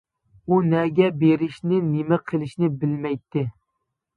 ئۇ نەگە بېرىشنى نېمە قىلىشنى بىلمەيتتى.